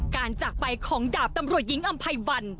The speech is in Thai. จากไปของดาบตำรวจหญิงอำไพวัน